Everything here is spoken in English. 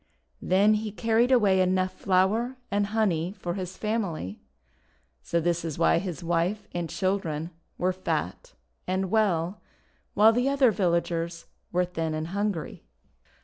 Then he carried away enough flour and honey for his family. So this is why his wife and children were fat and well, while the other villagers were thin and hungry.